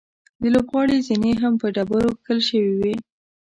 د لوبغالي زینې هم په ډبرو کښل شوې وې.